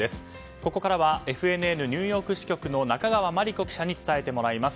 ここからはＦＮＮニューヨーク支局の中川真理子記者に伝えてもらいます。